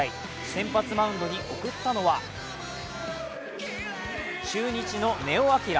先発マウンドに送ったのは中日の根尾昂。